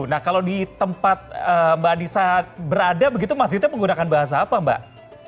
nah kalau di tempat mbak anissa berada begitu masjidnya menggunakan bahasa apa mbak